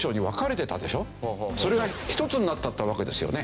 それが一つになったってわけですよね。